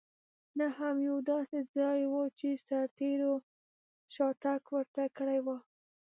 نه هم یو داسې ځای و چې سرتېرو شاتګ ورته کړی وای.